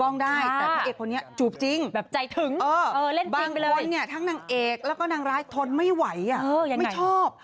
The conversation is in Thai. งั้นเนี่ยทั้งนางเอกแล้วก็นางร้ายทนไม่ไหวอ่ะไม่ชอบ